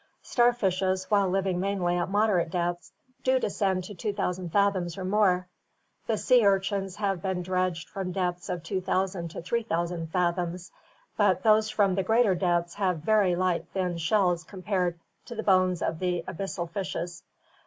Starfishes, while living mainly at moderate depths, do descend to 2000 fathoms or more. The sea urchins have been dredged from depths of 2000 to 3000 fathoms but those from the greater depths have very light thin shells comparable to the bones of the abyssal fishes.